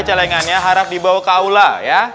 celengannya harap dibawa ke aula ya